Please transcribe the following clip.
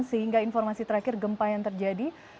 sehingga informasi terakhir gempa yang terjadi